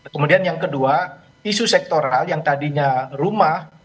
kemudian yang kedua isu sektoral yang tadinya rumah